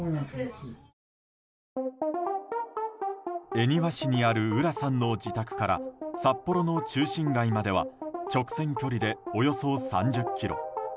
恵庭市にある浦さんの自宅から札幌の中心街までは直線距離でおよそ３０ｋｍ。